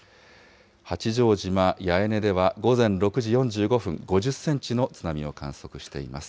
八丈島八重根では午前６時４５分、５０センチの津波を観測しています。